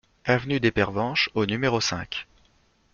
Avenue des Pervenches au numéro cinq